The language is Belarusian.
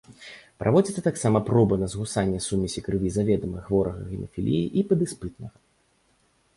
Праводзіцца таксама проба на згусання сумесі крыві заведама хворага гемафіліяй і падыспытнага.